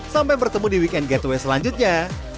sampai bertemu di weekend gateway selanjutnya